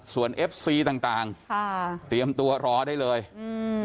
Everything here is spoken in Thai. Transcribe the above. ส่วนเอฟซีต่างต่างค่ะเตรียมตัวรอได้เลยอืม